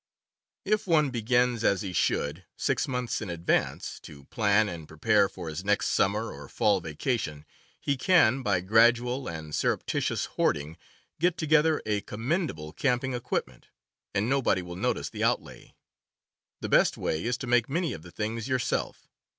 If one begins, as he should, six months in advance, to plan and prepare for his next summer or fall vaca tion, he can, by gradual and surreptitious hoarding, get together a commendable camping equipment, and nobody will notice the outlay. The best way is to make many of the things yourself.